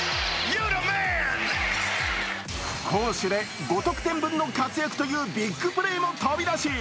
攻守で５得点分の活躍というビッグプレーも飛び出し